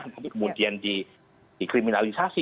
itu kemudian dikriminalisasi